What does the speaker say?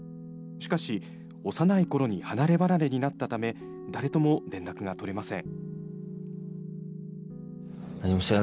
しかし、幼いころに離れ離れになったため、誰とも連絡が取れません。